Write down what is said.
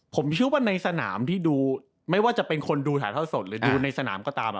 ผมเชื่อว่าในสนามที่ดูไม่ว่าจะเป็นคนดูถ่ายเท่าสดหรือดูในสนามก็ตาม